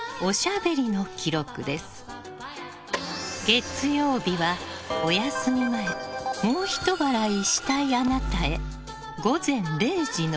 月曜日は、お休み前もうひと笑いしたいあなたへ。